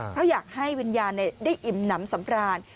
เพราะอยากให้วิญญาณได้อิ่มน้ำสำราญ